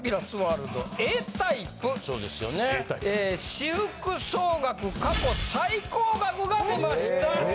私服総額過去最高額が出ました。